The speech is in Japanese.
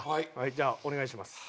じゃあお願いします。